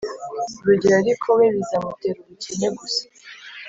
Urugero ariko we bizamutera ubukene gusa